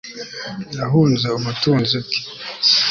yahunze ubutunzi bwe